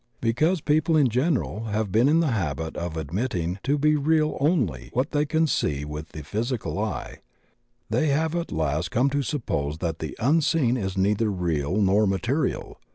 Because people in general have been in the habit of admitting to be re^ only what they can see with the physical eye, they have at last come to suppose that the unseen is neither real nor material.